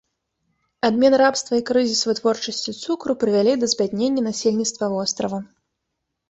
Адмена рабства і крызіс вытворчасці цукру прывялі да збяднення насельніцтва вострава.